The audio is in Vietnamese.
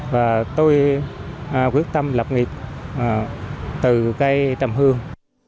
và tôi quyết tâm lập nghiệp từ cây trầm hương